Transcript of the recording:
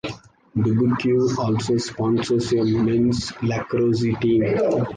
Dubuque also sponsors a men's lacrosse team.